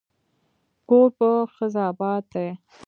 کور په ښځه اباد دی.